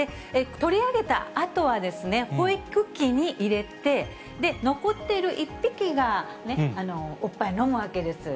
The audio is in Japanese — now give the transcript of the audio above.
取り上げたあとは、保育器に入れて、残っている１匹がおっぱい飲むわけです。